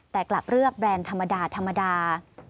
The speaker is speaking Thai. แต่กลับเลือกแบรนด์ธรรมดา